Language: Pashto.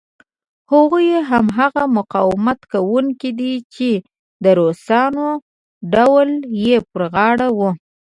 هغوی هماغه مقاومت کوونکي دي چې د روسانو ډول یې پر غاړه و.